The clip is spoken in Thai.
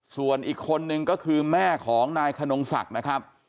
ส่วนอีกคนนึงก็คือแม่ของนายขนงศักดิ์นะครับ